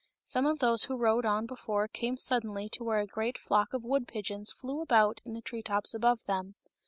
Some of those who rode on before came suddenly to where a great flock of wood pigeons flew about in the tree tops above them.